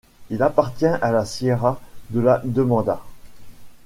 Il appartient à la Sierra de la Demanda.